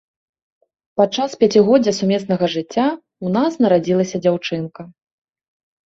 Падчас пяцігоддзя сумеснага жыцця ў нас нарадзілася дзяўчынка.